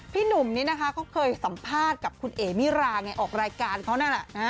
พี่หนุ่มนี่นะคะเขาเคยสัมภาษณ์กับคุณเอ๋มิราไงออกรายการเขานั่นแหละ